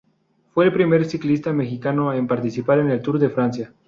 Fue el primer ciclista mexicano en participar en el Tour de Francia.